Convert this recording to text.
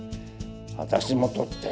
私も撮って！